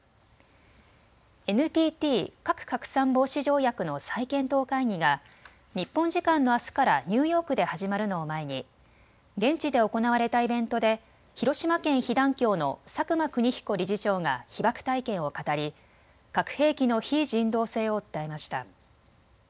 ＮＰＴ・核拡散防止条約の再検討会議が日本時間のあすからニューヨークで始まるのを前に現地で行われたイベントで広島県被団協の佐久間邦彦理事長が被爆体験を語り核兵器の非人道性を訴えました。